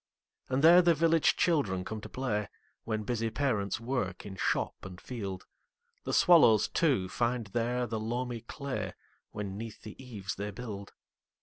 And there the village children come to play, When busy parents work in shop and field. The swallows, too, find there the loamy clayWhen 'neath the eaves they build.